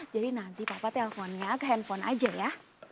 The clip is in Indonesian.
jadi nanti papa teleponnya ke handphone aja ya